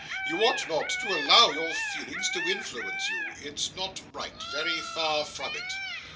You ought not to allow your feelings to influence you; it's not right, very far from it.